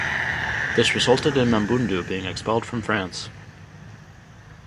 This resulted in Mamboundou being expelled from France.